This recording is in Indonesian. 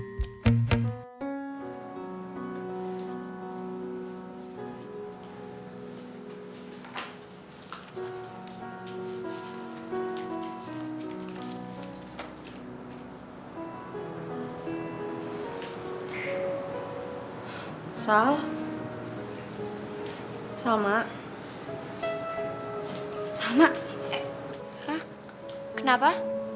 eh hah kenapa